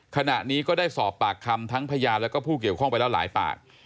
ขณะนี้ก็ได้สอบปากคำทั้งพยานและผู้เกี่ยวข้องไปแล้วหลายปาก